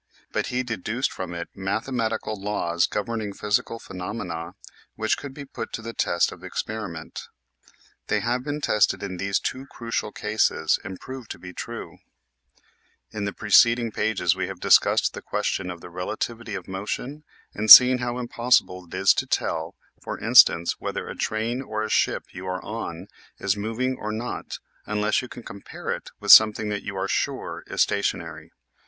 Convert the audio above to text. But he deduced from it mathe matical laws governing physical phenomena which could be put to the test of experiment. They have been tested in these two crucial cases and prove to be true. 16 EASY LESSONS IN EINSTEIN In the preceding pages we have discussed the ques tion of the relativity of motion and seen how impossible it is to tell, for instance, whether a train or a ship you are on is moving or not unless you can compare it with something that you are " sure " is stationary.